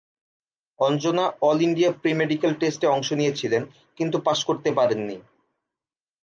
Anjana all India pre medical test -এ অংশ নিয়েছিলেন কিন্তু পাস করতে পারেননি।